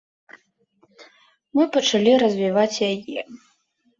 Мы пачалі развіваць яе.